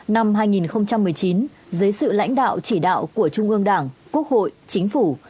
năm hai nghìn một mươi chín dưới sự lãnh đạo chỉ đạo của trung ương đảng quốc hội chính phủ